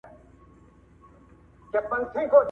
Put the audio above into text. زه په دې هم یقین نلرم